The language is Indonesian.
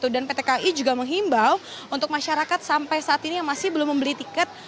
dan pt ki juga menghimbau untuk masyarakat sampai saat ini yang masih belum membeli tiket